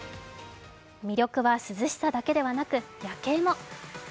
魅力は涼しさだけではなく夜景も。